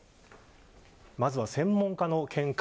まずは専門家の見解